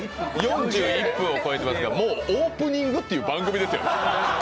４１分を超えていますが、もう「オープニング」という番組ですよ。